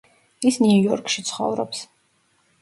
ის ნიუ-იორკში ცხოვრობს.